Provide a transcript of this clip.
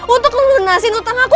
untuk lu benesin hutang aku